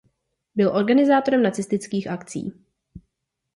Byl organizátorem nacistických akcí.